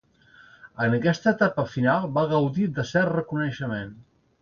En aquesta etapa final va gaudir de cert reconeixement.